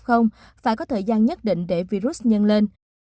phải có thời gian nhất định để virus nhân lên